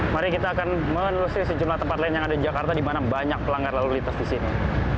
mari kita akan menelusuri sejumlah tempat lain yang ada di jakarta di mana banyak pelanggar lalu lintas di sini